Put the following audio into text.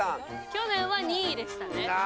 去年は２位でしたね。